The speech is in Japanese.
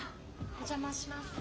お邪魔します。